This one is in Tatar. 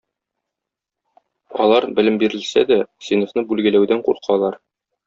Алар, белем бирелсә дә, сыйныфны бүлгәләүдән куркалар.